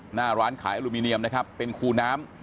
หน้าร้านขายอลูมิเนียมนะครับเป็นคูน้ำ